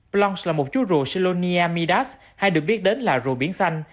blanche là một chú rùa selonia midas hay được biết đến là rùa biển xanh